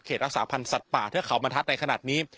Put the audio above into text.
รักษาพันธ์สัตว์ป่าเทือกเขาบรรทัศน์ในขณะนี้